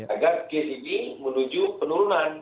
agar case ini menuju penurunan